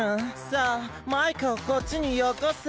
さあマイカをこっちによこせ！